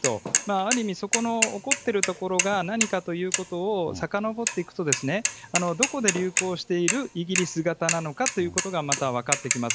ある意味、そこの起こっているところが何かということをさかのぼっていくと、どこで流行しているイギリス型なのかということが、また分かってます。